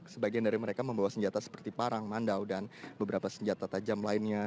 sebagian dari mereka membawa senjata seperti parang mandau dan beberapa senjata tajam lainnya